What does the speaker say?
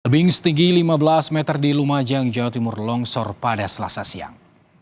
tebing setinggi lima belas meter di lumajang jawa timur longsor pada selasa siang